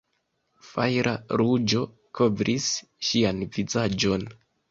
Fajra ruĝo kovris ŝian vizaĝon.